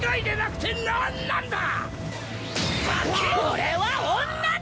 俺は女だ！